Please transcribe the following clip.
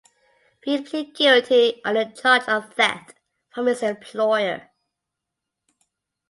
Read plead guilty on the charge of theft from his employer.